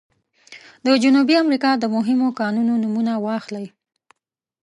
د جنوبي امریکا د مهمو کانونو نومونه واخلئ.